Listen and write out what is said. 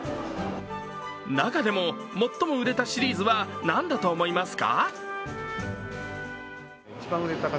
中でも最も売れたシリーズは何だと思いますか？